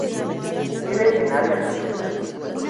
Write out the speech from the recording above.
Vive en áreas abiertas.